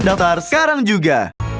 daftar sekarang juga